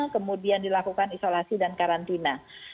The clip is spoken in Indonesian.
kemudian dilakukan isolasi dan karantina